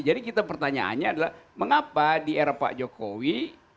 jadi pertanyaannya adalah mengapa di era pak jokowi